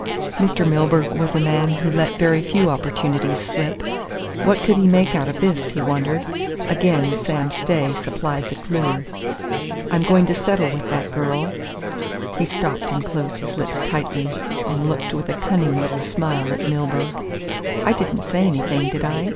Mr. Milburgh was a man who let very few opportunities slip. What could he make out of this, he wondered? Again Sam Stay supplied the clue. "I'm going to settle with that girl " He stopped and closed his lips tightly, and looked with a cunning little smile at Milburgh. "I didn't say anything, did I?"